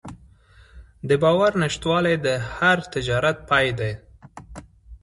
د باور نشتوالی د هر تجارت پای ده.